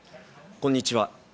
こんにちは。